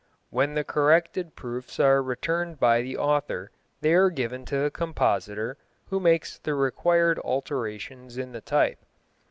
When the corrected proofs are returned by the author they are given to the compositor, who makes the required alterations in the type.